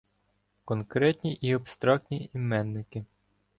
Конкретні і абстрактні іменники